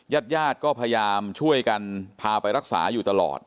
ญาติญาติก็พยายามช่วยกันพาไปรักษาอยู่ตลอด